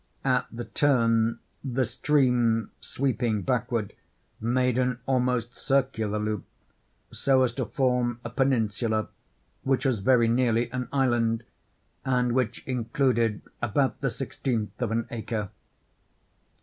At the turn, the stream, sweeping backward, made an almost circular loop, so as to form a peninsula which was very nearly an island, and which included about the sixteenth of an acre.